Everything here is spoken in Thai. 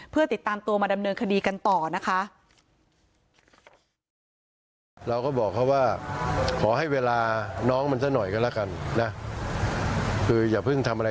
เพื่อติดตามตัวมาดำเนินคดีกันต่อนะคะ